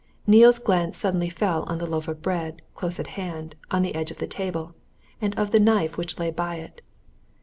Neale's glance suddenly fell on the loaf of bread, close at hand on the edge of the table, and on the knife which lay by it.